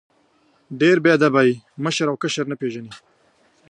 ډېر بې ادب یې ، مشر او کشر نه پېژنې!